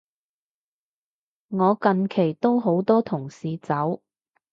我近期都好多同事走